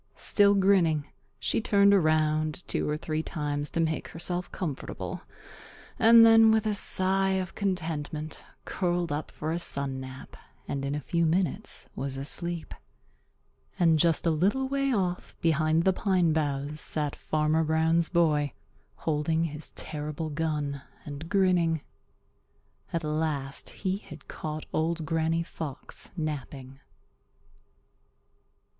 Still grinning, she turned around two or three times to make herself comfortable and then, with a sigh of contentment, curled up for a sun nap, and in a few minutes was asleep. And just a little way off behind the pine boughs sat Farmer Brown's boy holding his terrible gun and grinning. At last he had caught Old Granny Fox napping.